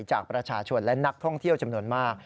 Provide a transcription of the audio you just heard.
จากประชาชนและนักท่องเที่ยวจำนวนมาก